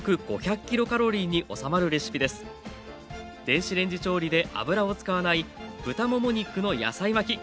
電子レンジ調理で油を使わない豚もも肉の野菜巻き。